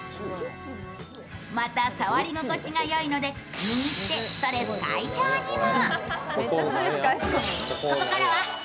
また、さわり心地がよいので握ってストレス解消にも。